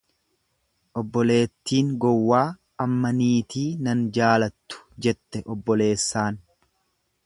Obboleettiin gowwaa amma niitii nan jaalattu jette obboleessaan.